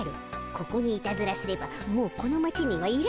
ここにいたずらすればもうこの町にはいられないでおじゃる。